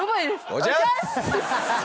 おじゃす！